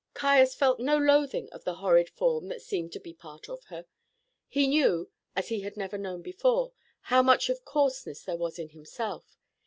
Caius felt no loathing of the horrid form that seemed to be part of her. He knew, as he had never known before, how much of coarseness there was in himself.